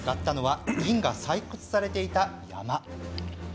向かったのは銀が採掘されていた山。